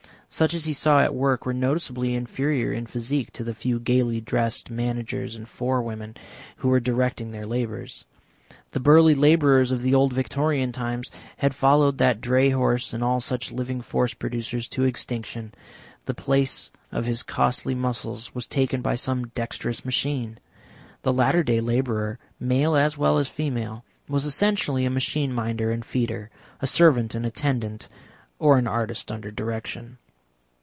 Such as he saw at work were noticeably inferior in physique to the few gaily dressed managers and forewomen who were directing their labours. The burly labourers of the old Victorian times had followed that dray horse and all such living force producers, to extinction; the place of his costly muscles was taken by some dexterous machine. The latter day labourer, male as well as female, was essentially a machine minder and feeder, a servant and attendant, or an artist under direction.